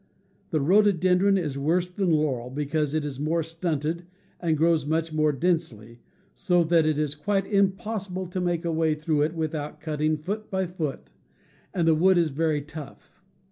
The rhododendron is worse than laurel, because it is more stunted and grows much more densely, so that it is quite impossible to make a way through it without cutting, foot by foot; and the wood is very tough.